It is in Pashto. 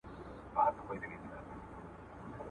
که ته وغواړې نو زه به ستا د مننې په باره کي کیسه ولیکم.